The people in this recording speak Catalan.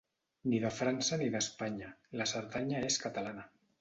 Ni de França ni d'Espanya, la Cerdanya és catalana.